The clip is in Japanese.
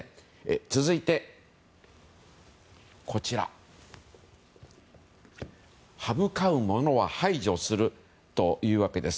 続いてこちら、歯向かう者は排除するということです。